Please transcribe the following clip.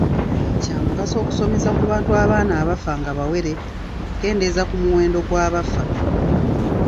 Kya mugaso okusomesa abantu ku baana abafa nga bawere okukendeeza ku muwendo gw'abafa.